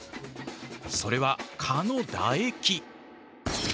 それは蚊の唾液。